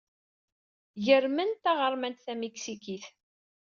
Carmen d taɣermant tamiksikit.